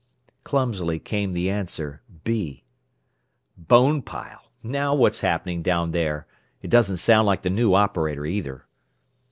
Clumsily came the answer, "B." "Bonepile! Now what's happening down there? It doesn't sound like the new operator, either."